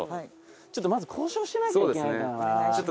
ちょっとまず交渉しなきゃいけないからな。